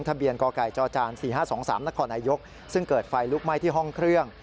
ทะเบียนกกจ๔๕๒๓นนซึ่งเกิดไฟลุกไหม้ที่ห้องเครื่อง